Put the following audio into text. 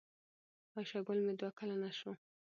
عایشه ګل مې دوه کلنه شو